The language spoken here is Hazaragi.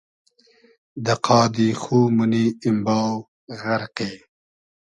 دۂ قادی خو مونی ایمباو ، غئرقی